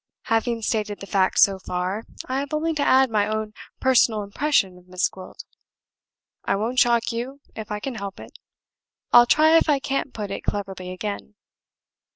Having stated the facts so far, I have only to add my own personal impression of Miss Gwilt. I won't shock you, if I can help it; I'll try if I can't put it cleverly again.